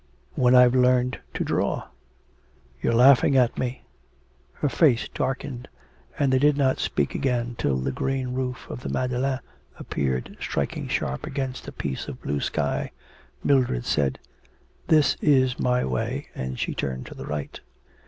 'When I've learnt to draw.' 'You're laughing at me.' Her face darkened, and they did not speak again till the green roof of the Madeleine appeared, striking sharp against a piece of blue sky. Mildred said: 'This is my way,' and she turned to the right.